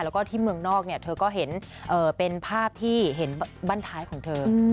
แล้วก็ที่เมืองนอกเนี่ยเธอก็เห็นเป็นภาพที่เห็นบ้านท้ายของเธอ